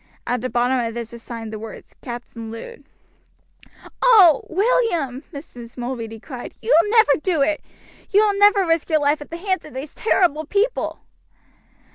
At the bottom of this was signed the words "Captain Lud." "Oh! William," Mrs. Mulready cried, "you will never do it! You will never risk your life at the hands of these terrible people!"